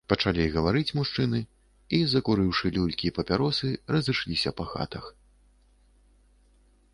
Пачалi гаварыць мужчыны i, закурыўшы люлькi i папяросы, разышлiся па хатах...